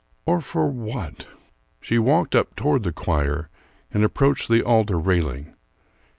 or for what? She walked up toward the choir and approached the altar railing.